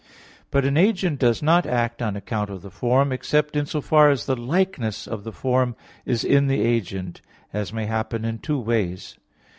But an agent does not act on account of the form, except in so far as the likeness of the form is in the agent, as may happen in two ways.